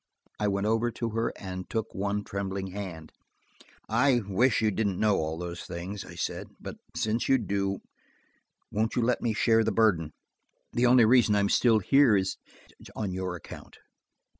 I went over to her and took one trembling hand. "I wish you didn't know all those things," I said. "But since you do, won't you let me share the burden? The only reason I am still here is–on your account."